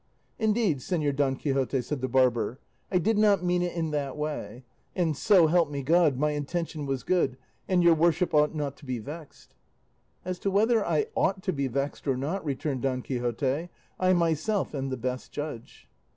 "Indeed, Señor Don Quixote," said the barber, "I did not mean it in that way, and, so help me God, my intention was good, and your worship ought not to be vexed." "As to whether I ought to be vexed or not," returned Don Quixote, "I myself am the best judge."